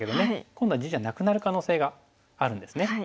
今度は地じゃなくなる可能性があるんですね。